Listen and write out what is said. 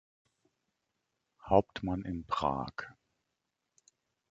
Hauptmann in Prag.